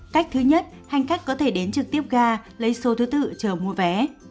cách thứ nhất hành khách có thể đến trực tiếp ga lấy số thứ tự chờ mua vé